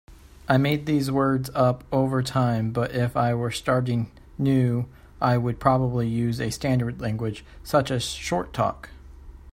I made these words up over time, but if I were starting new I would probably use a standard language such as Short Talk.